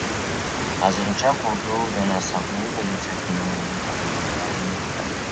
Азырынча кордоо жана сабоо боюнча күнөөлөр коюла элек.